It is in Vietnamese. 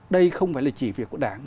đây không phải chỉ việc của đảng